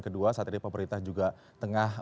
kedua saat ini pemerintah juga tengah